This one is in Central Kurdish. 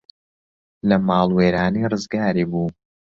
لە ماڵوێرانی ڕزگاری بوو